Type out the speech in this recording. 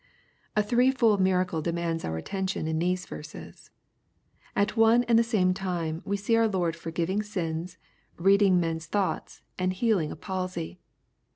A THREEFOLD miracle demands our attention in these verses. At one and the same time, we see our Lord forgiving sins, reading men's thoughts, and healing a palsy.